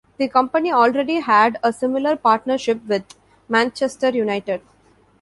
The company already had a similar partnership with Manchester United.